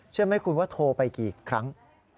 เชื่อไหมคุณว่าโทรไปกี่ครั้ง